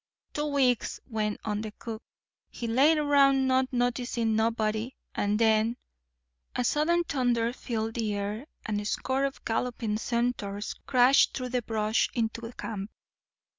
"Two weeks," went on the cook, "he laid around, not noticin' nobody, and then—" A sudden thunder filled the air, and a score of galloping centaurs crashed through the brush into camp.